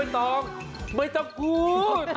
อุ๊ยน้องไม่ต้องพูด